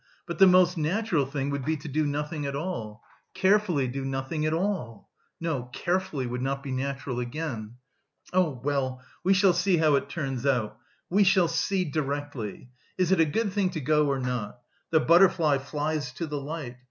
But the most natural thing would be to do nothing at all. Carefully do nothing at all! No, carefully would not be natural again.... Oh, well, we shall see how it turns out.... We shall see... directly. Is it a good thing to go or not? The butterfly flies to the light.